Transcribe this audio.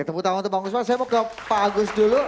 terus saya mau ke pak agus dulu